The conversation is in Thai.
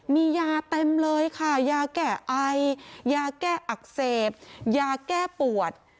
มียาเต็มเลยค่ะยาแก้ไอยาแก้อักเสบยาแก้ปวด